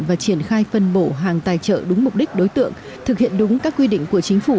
và triển khai phân bổ hàng tài trợ đúng mục đích đối tượng thực hiện đúng các quy định của chính phủ